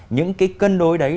những cái cân đối đấy